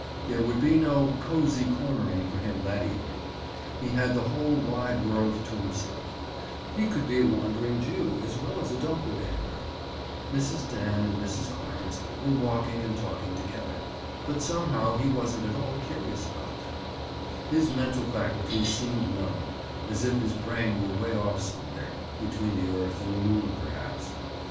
There would be no "cozy cornering" for him that evening. He had the whole wide world to himself. He could be a wandering Jew as well as a Doppleganger, if he wanted to. He made out now two shadows, or figures, in the moonlight. Mrs. Dan and Mrs. Clarence were walking and talking together, but somehow he wasn't at all curious about them. His mental faculties seemed numbed, as if his brain were way off somewhere—between the earth and the moon, perhaps.